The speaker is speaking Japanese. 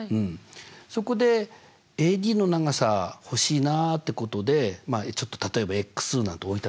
そこでＡＤの長さほしいなということでまあちょっと例えばなんて置いたとしますね。